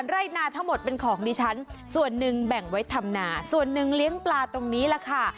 ไร่นาทั้งหมดเป็นของดิฉันส่วนหนึ่งแบ่งไว้ทำนาส่วนหนึ่งเลี้ยงปลาตรงนี้แหละค่ะ